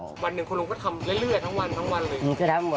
วันหนึ่งคุณลุงก็ทำเรื่อยทั้งวันเลย